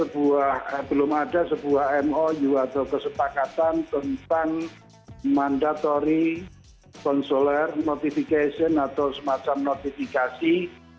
belum ada sebuah mou atau kesepakatan tentang mandatory consuler notification atau semacam notifikasi